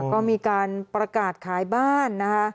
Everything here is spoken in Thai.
ก็มีการประกาศขายบ้านนะคะ